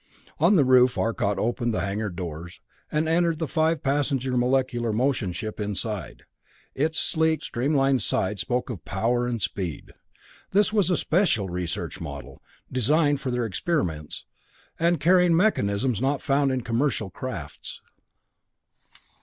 On the roof Arcot opened the hangar doors, and entered the five passenger molecular motion ship inside. Its sleek, streamlined sides spoke of power and speed. This was a special research model, designed for their experiments, and carrying mechanisms not found in commercial crafts.